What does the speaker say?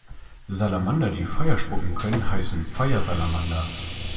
Salamander, die Feuer spucken können, heißen Feuersalamander.